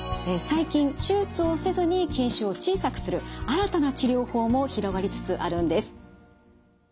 最近手術をせずに筋腫を小さくする新たな治療法も広がりつつあるんです。